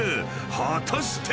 果たして？］